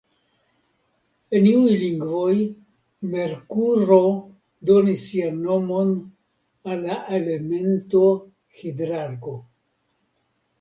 En iuj lingvoj, Merkuro donis sian nomon al la elemento hidrargo.